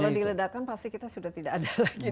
ya kalau diledakkan pasti kita sudah tidak ada lagi di sini